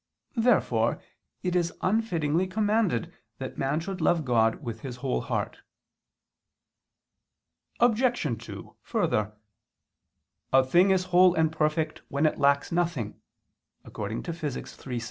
Therefore it is unfittingly commanded that man should love God with his whole heart. Obj. 2: Further, "A thing is whole and perfect when it lacks nothing" (Phys. iii, 6).